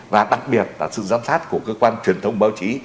và đặc biệt là sự giám sát của cơ quan truyền thông báo chí